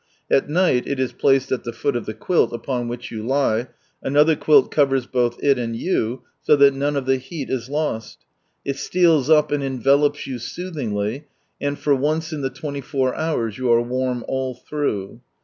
At night it is placed at the foot of the quilt upon which you lie, another quilt covers both it and you, so that none of the heat is lost ; it steals up, and envelops you soothingly, and for once in the twenty four hours, you are warm all through.